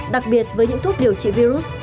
đặc biệt với những thuốc điều trị virus